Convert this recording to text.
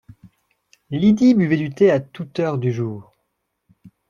Lydie buvait du thé à toute heure du jour.